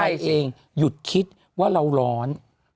ไปเองหยุดคิดว่าเราร้อน